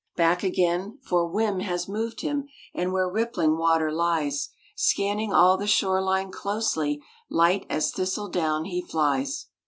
Back again—for whim has moved him— And where rippling water lies, Scanning all the shore line closely, Light as thistle down he flies!